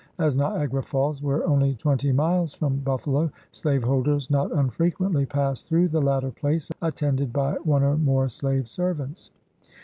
As Niagara Falls were only twenty miles from Buffalo, slaveholders not un frequently passed through the latter place attended by one or more slave servants.